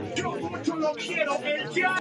Regresó al hotel sólo con su ropa interior.